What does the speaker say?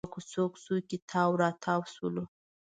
په کوڅو کوڅو کې تاو راتاو شولو.